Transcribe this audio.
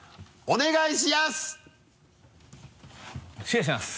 お願いします。